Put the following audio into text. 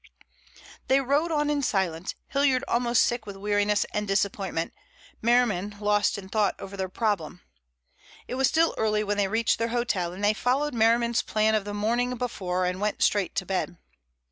They rowed on in silence, Hilliard almost sick with weariness and disappointment, Merriman lost in thought over their problem. It was still early when they reached their hotel, and they followed Merriman's plan of the morning before and went straight to bed.